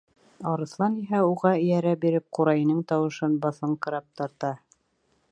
Арыҫлан иһә, уға эйәрә биреп, ҡурайының тауышын баҫыңҡырап тарта.